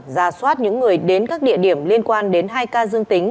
ra soát những người đến các địa điểm liên quan đến hai ca dương tính